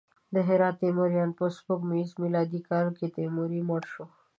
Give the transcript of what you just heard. د هرات تیموریان: په سپوږمیز میلادي کال کې تیمور مړ شو.